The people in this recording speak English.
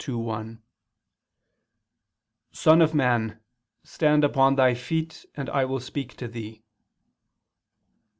2:1): "Son of man, stand upon thy feet, and I will speak to thee."